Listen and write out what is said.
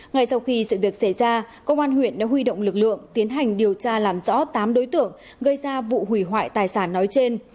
ngay sau khi sự việc xảy ra công an huyện đã huy động lực lượng tiến hành điều tra làm rõ tám đối tượng gây ra vụ hủy hoại tài sản nói trên